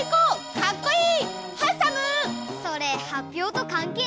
かっこいい！